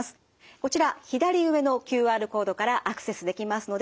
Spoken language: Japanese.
こちら左上のＱＲコードからアクセスできますので是非ご覧ください。